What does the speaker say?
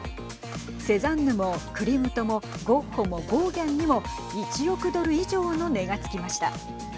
セザンヌもクリムトもゴッホもゴーギャンにも１億ドル以上の値がつきました。